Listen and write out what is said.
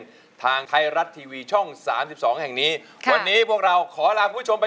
เดานี่ข้อมูลของเราก็มีเฒิกเติมกันได้ไหมเราก็คุยด้วยค่ะ